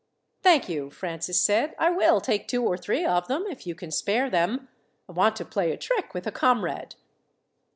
"Thank you," Francis said. "I will take two or three of them, if you can spare them. I want to play a trick with a comrade."